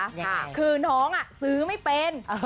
ค่ะคือน้องอ่ะซื้อไม่เป็น